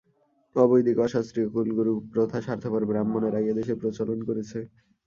অবৈদিক অশাস্ত্রীয় কুলগুরুপ্রথা স্বার্থপর ব্রাহ্মণেরাই এদেশে প্রচলন করেছে।